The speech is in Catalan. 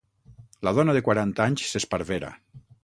La dona de quaranta anys s'esparvera.